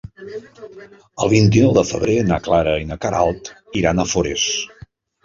El vint-i-nou de febrer na Clara i na Queralt iran a Forès.